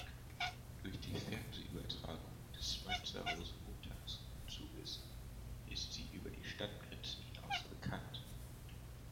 Durch die Fernsehübertragung des Mainzer Rosenmontagszuges ist sie über die Stadtgrenzen hinaus bekannt.